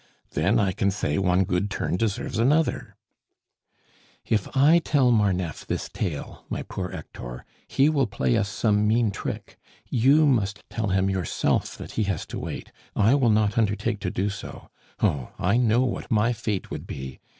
Then I can say one good turn deserves another " "If I tell Marneffe this tale, my poor Hector, he will play us some mean trick. You must tell him yourself that he has to wait. I will not undertake to do so. Oh! I know what my fate would be.